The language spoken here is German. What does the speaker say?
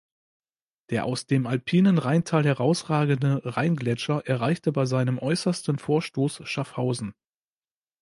Der aus dem alpinen Rheintal herausragende Rheingletscher erreichte bei seinem äußersten Vorstoß Schaffhausen.